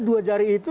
dua jari itu